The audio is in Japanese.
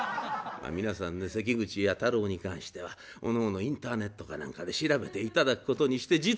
皆さんね関口弥太郎に関してはおのおのインターネットか何かで調べていただくことにして。